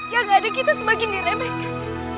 yang adik kita semakin diremehkan